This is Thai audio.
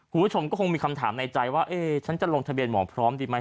คุณผู้ชมก็คงมีคำถามในใจว่าฉันจะลงทะเบียนหมอพร้อมดีไหม